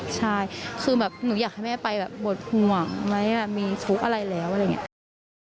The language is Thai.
ใช่คือแบบหนูอยากให้แม่ไปแบบหมดห่วงไหมมีทุกข์อะไรแล้วอะไรอย่างนี้